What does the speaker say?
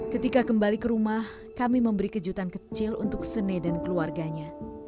ketika kembali ke rumah kami memberi kejutan kecil untuk sene dan keluarganya